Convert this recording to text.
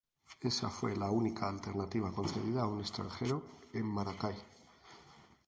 Esa fue la única alternativa concedida a un extranjero en Maracay.